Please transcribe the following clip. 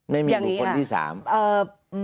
ไม่มีบุคคลที่๓